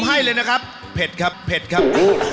ให้เลยนะครับเผ็ดครับเผ็ดครับ